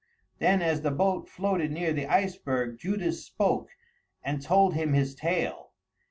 Then as the boat floated near the iceberg, Judas spoke and told him his tale.